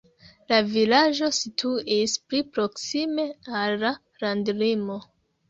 La vilaĝo situis pli proksime al la landlimo.